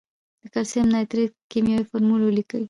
د کلسیم نایتریت کیمیاوي فورمول ولیکئ.